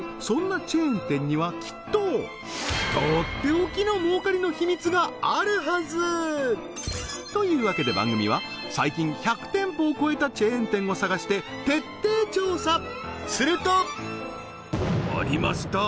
そんなチェーン店にはきっととっておきの儲かりの秘密があるはず！というわけで番組は最近１００店舗を超えたチェーン店を探して徹底調査！